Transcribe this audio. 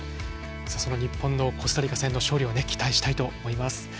日本のコスタリカ戦の勝利を期待したいと思います。